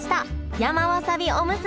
山わさびおむすび！